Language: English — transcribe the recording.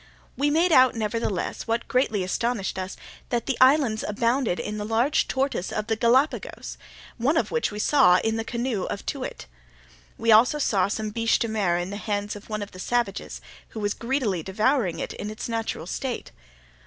We made out, nevertheless, what greatly astonished us, that the islands abounded in the large tortoise of the Gallipagos, one of which we saw in the canoe of Too wit. We saw also some biche de mer in the hands of one of the savages, who was greedily devouring it in its natural state.